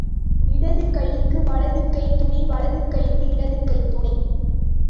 இடது கைக்கு வலது கை துணை வலது கைக்கு இடது கை துணை.